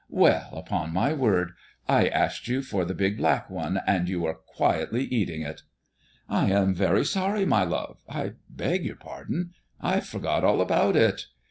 Well, upon my word! I asked you for the big black one, and you are quietly eating it!" "I am very sorry, my love; I beg your pardon. I forgot all about it."